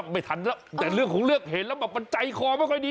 ไม่ทันแล้วแต่เลือกคงเลือกเห็นแล้วใจคอยมาก็ดี